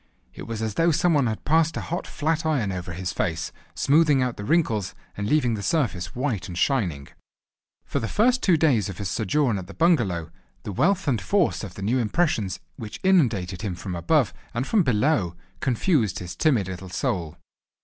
It was as though some one had passed a hot flat iron over his face, smoothing out the wrinkles, and leaving the surface white and shining. For the first two days of his sojourn at the bungalow the wealth and force of the new impressions which inundated him from above and from below confused his timid little soul.